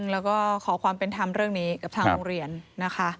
แล้วก็ขอความเป็นธรรมเรื่องนี้กับทางโรงเรียนนะคะ